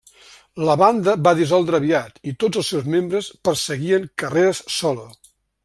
La banda va dissoldre aviat, i tots els seus membres perseguien carreres solo.